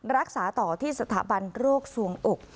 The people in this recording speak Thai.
รักษาต่อที่สถาบันโรคสวงอก